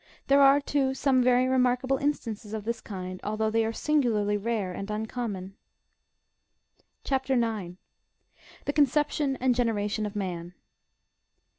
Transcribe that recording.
There are, too, some very remarkable instances of this kind, although they are sin gularly rare and uncommon. CHAP. 9. (11.) — THE CONCEPTION AND GENERATION OF MAN.